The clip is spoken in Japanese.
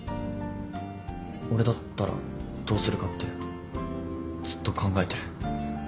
俺だったらどうするかってずっと考えてる。